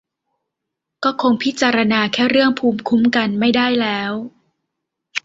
ก็คงพิจารณาแค่เรื่องภูมิคุ้มกันไม่ได้แล้ว